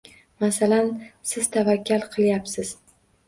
Masalan, siz tavakkal qilyapsiz.